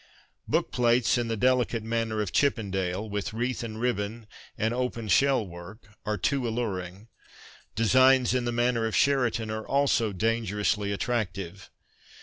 Bookplates in the delicate manner of Chippendale, with ' wreath and ribbon ' and open shell work, are too alluring. Designs in the manner of Sheraton are also danger ously attractive.